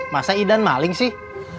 masa idan maling sih